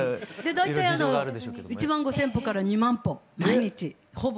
大体１万５，０００歩から２万歩毎日ほぼ。